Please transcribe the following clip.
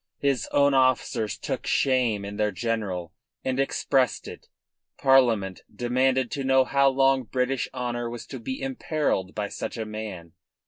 His own officers took shame in their general, and expressed it. Parliament demanded to know how long British honour was to be imperilled by such a man.